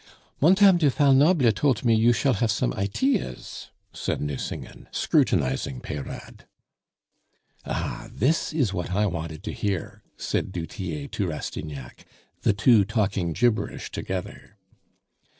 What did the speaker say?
"Montame du Fal Noble tolt me you shall have some iteas," said Nucingen, scrutinizing Peyrade. "Ah, this is what I wanted to hear," said du Tillet to Rastignac; "the two talking gibberish together."